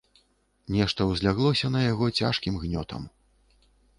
Нешта ўзляглося на яго цяжкім гнётам.